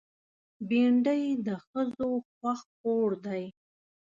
بېنډۍ د ښځو خوښ خوړ دی